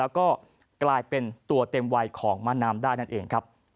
แล้วก็กลายเป็นตัวเต็มวัยของมะนาน้ำได้นั่นเองครับ